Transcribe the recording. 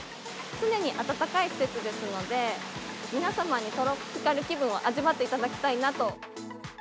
常に暖かい施設ですので、皆様にトロピカル気分を味わっていただきたいなと。